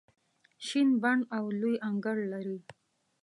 شین بڼ او لوی انګړ لري.